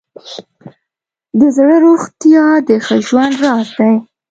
د زړه روغتیا د ښه ژوند راز دی.